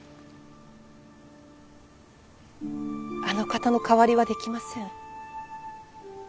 あの方の代わりはできません。